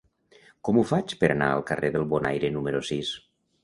Com ho faig per anar al carrer del Bonaire número sis?